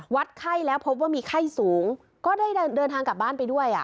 ไข้แล้วพบว่ามีไข้สูงก็ได้เดินทางกลับบ้านไปด้วยอ่ะ